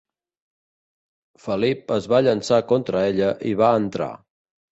Felip es va llançar contra ella i va entrar.